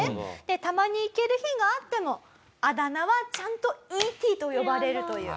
たまに行ける日があってもあだ名はちゃんと「Ｅ．Ｔ．」と呼ばれるという。